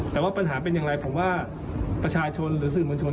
แต่ว่าปัญหาเป็นอย่างไรผมว่าประชาชนหรือสื่อมวลชน